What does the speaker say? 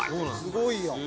すごいやん！」